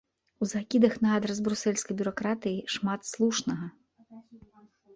У закідах на адрас брусэльскай бюракратыі шмат слушнага.